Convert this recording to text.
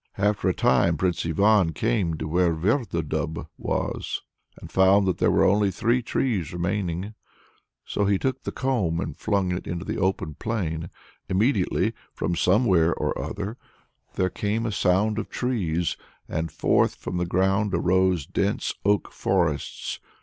After a time Prince Ivan came to where Vertodub was, and found that there were only three trees remaining there. So he took the comb and flung it on the open plain. Immediately from somewhere or other there came a sound of trees, and forth from the ground arose dense oak forests!